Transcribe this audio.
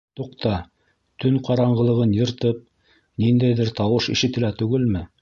Туҡта, төн ҡараңғылығын йыртып, ниндәйҙер тауыш ишетелә түгелме?